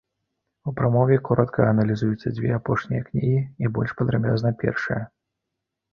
У прамове коратка аналізуюцца дзве апошнія кнігі і больш падрабязна першая.